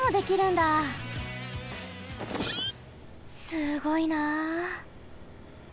すごいな。